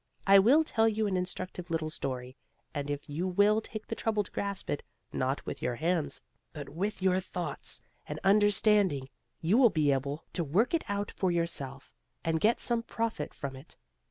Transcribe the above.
I will tell you an instructive little story, and if you will take the trouble to grasp it, not with your hands, but with your thoughts and understanding, you will be able to work it out for yourself and get some profit from it.